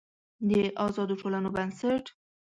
د آزادو ټولنو بنسټ